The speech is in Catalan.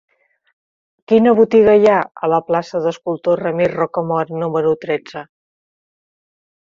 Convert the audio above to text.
Quina botiga hi ha a la plaça de l'Escultor Ramir Rocamora número tretze?